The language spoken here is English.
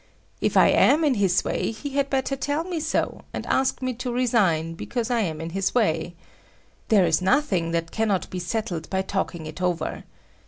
If I am in his way, he had better tell me so, and ask me to resign because I am in his way. There is nothing that cannot be settled by talking it over.